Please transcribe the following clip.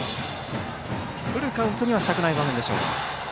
フルカウントにはしたくない場面でしょう。